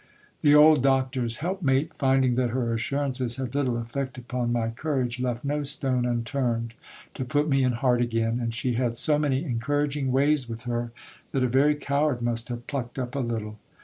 The old doctors help mate, finding that her assurances had little effect upon my courage, left no stone unturned to put me in heart again ; and she had so many encouraging ways with her, that a very coward must have plucked up a little.